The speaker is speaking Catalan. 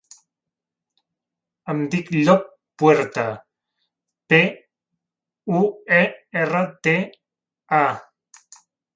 Em dic Llop Puerta: pe, u, e, erra, te, a.